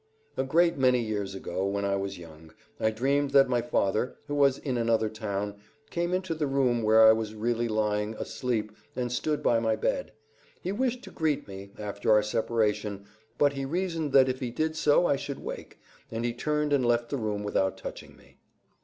A great many years ago, when I was young, I dreamed that my father, who was in another town, came into the room where I was really lying asleep and stood by my bed. He wished to greet me, after our separation, but he reasoned that if he did so I should wake, and he turned and left the room without touching me.